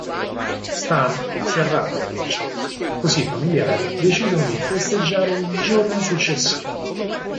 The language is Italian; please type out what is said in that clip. Stan si arrabbia per ciò, così i familiari decidono di festeggiare il giorno successivo.